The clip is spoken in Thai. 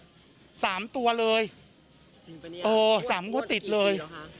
จริงปะเนี่ยพูดว่าติดกี่หรือคะโอ้โฮ๓ตัวติดเลย